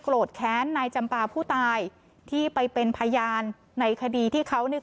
แค้นนายจำปาผู้ตายที่ไปเป็นพยานในคดีที่เขาเนี่ย